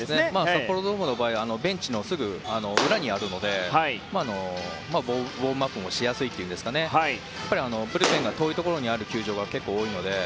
札幌ドームの場合はベンチのすぐ裏にあるのでウォームアップもしやすいといいますかブルペンが遠いところにある球場は結構多いので。